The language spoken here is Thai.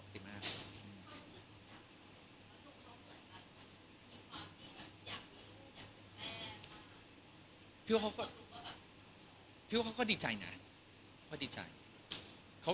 พี่ว่าเขาก็ดีใจนะ